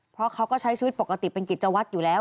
เพราะเขาก็ใช้ชีวิตปกติเป็นกิจวัตรอยู่แล้ว